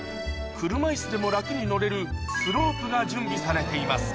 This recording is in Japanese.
車椅子でも楽に乗れるスロープが準備されています